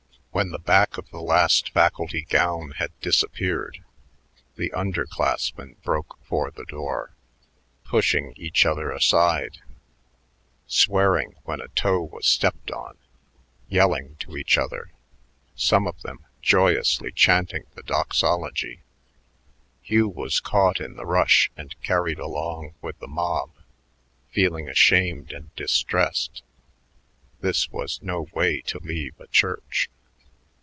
When the back of the last faculty gown had disappeared, the under classmen broke for the door, pushing each other aside, swearing when a toe was stepped on, yelling to each other, some of them joyously chanting the doxology. Hugh was caught in the rush and carried along with the mob, feeling ashamed and distressed; this was no way to leave a church.